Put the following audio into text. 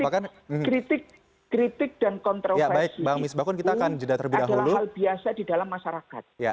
karena kritik dan kontroversi ini adalah hal biasa di dalam masyarakat